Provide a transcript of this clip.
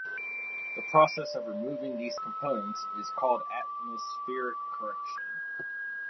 The process of removing these components is called atmospheric correction.